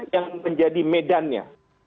yang menjadi medannya